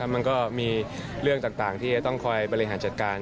มันก็มีเรื่องต่างที่จะต้องคอยบริหารจัดการ